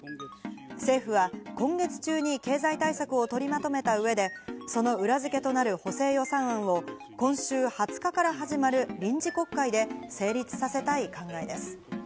政府は今月中に経済対策を取りまとめた上でその裏付けとなる補正予算案を今週２０日から始まる臨時国会で成立させたい考えです。